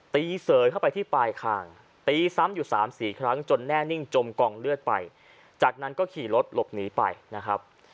เสยเข้าไปที่ปลายคางตีซ้ำอยู่สามสี่ครั้งจนแน่นิ่งจมกองเลือดไปจากนั้นก็ขี่รถหลบหนีไปนะครับ